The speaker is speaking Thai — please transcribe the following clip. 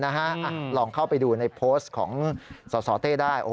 ลองเข้าไปดูในโพสต์ของสสเต้ได้